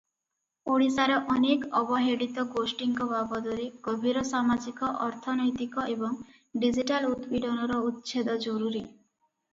ଓଡ଼ିଶାର ଅନେକ ଅବହେଳିତ ଗୋଷ୍ଠୀଙ୍କ ବାବଦରେ ଗଭୀର ସାମାଜିକ-ଅର୍ଥନୈତିକ ଏବଂ ଡିଜିଟାଲ ଉତ୍ପୀଡ଼ନର ଉଚ୍ଛେଦ ଜରୁରୀ ।